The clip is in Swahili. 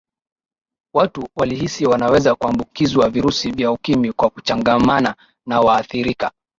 watu walihisi wanaweza kuambukizwa virusi vya ukimwi kwa kuchangamana na waathirika